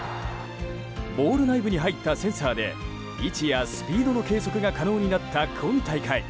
ボール内部に入ったセンサーで位置やスピードの計測が可能になった今大会。